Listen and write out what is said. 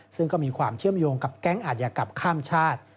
ซึ่งก็มีความเชื่อมโยงกับแก๊งอาจยากรรมข้ามชาติ